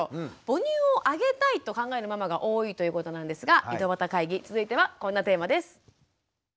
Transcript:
母乳をあげたいと考えるママが多いということなんですが井戸端会議続いてはこんなテーマです。